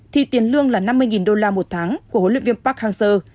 thì tiền lương là năm mươi đô la một tháng của huấn luyện viên park hang seo